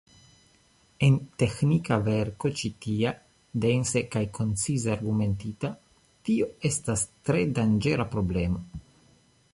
En teĥnika verko ĉi tia, dense kaj koncize argumentita, tio estas tre danĝera problemo.